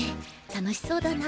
楽しそうだな。